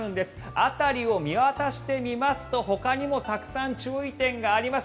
辺りを見渡してみますとほかにもたくさん注意点があります。